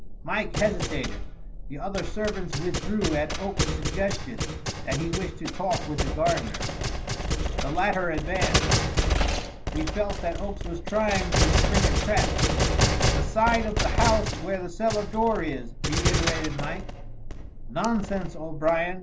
Mike hesitated. The other servants withdrew at Oakes's suggestion that he wished to talk with the gardener. The latter advanced. We felt that Oakes was trying to spring a trap. "The side of the house where the cellar door is," reiterated Mike. "Nonsense, O'Brien.